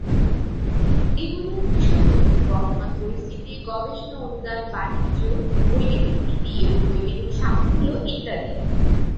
এগুলোর বিষয়বস্তু বর্তমান পরিস্থিতি, গবেষণা অনুদান, বাণিজ্য, বৈজ্ঞানিক নীতি এবং বৈজ্ঞানিক সাফল্য ইত্যাদি।